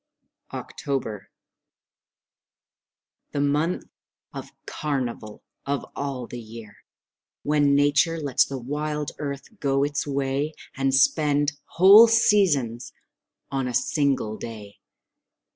October The month of carnival of all the year, When Nature lets the wild earth go its way And spend whole seasons on a single day.